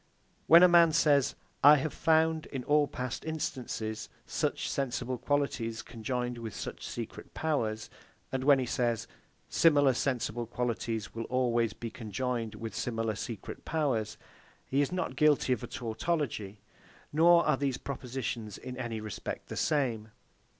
When a man says, I have found, in all past instances, such sensible qualities conjoined with such secret powers: And when he says, Similar sensible qualities will always be conjoined with similar secret powers, he is not guilty of a tautology, nor are these propositions in any respect the same.